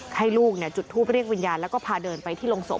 ให้ลูกจุดทูปเรียกวิญญาณแล้วก็พาเดินไปที่โรงศพ